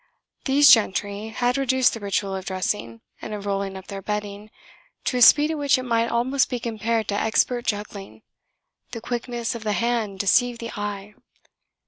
These gentry had reduced the ritual of dressing, and of rolling up their bedding, to a speed at which it might almost be compared to expert juggling: the quickness of the hand deceived the eye.